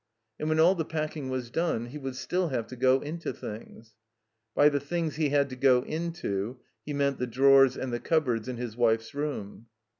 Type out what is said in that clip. And when all the packing was done he would still have to go into things. By the things he had to go into he meant the drawers and the cupboards in his wife's room.